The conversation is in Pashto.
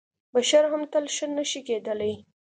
بشر هم تل ښه نه شي کېدلی .